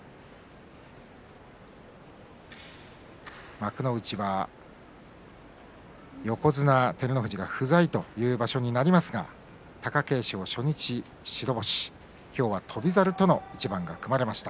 幕内は横綱照ノ富士が不在という場所になりますが貴景勝、初日白星今日は翔猿との一番が組まれました。